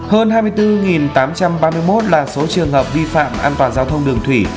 hơn hai mươi bốn tám trăm ba mươi một là số trường hợp vi phạm an toàn giao thông đường thủy